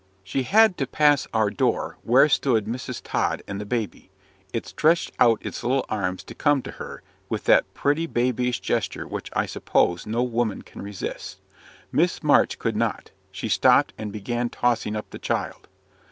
She had to pass our door, where stood Mrs. Tod and the baby. It stretched out its little arms to come to her, with that pretty, babyish gesture which I suppose no woman can resist. Miss March could not. She stopped, and began tossing up the child.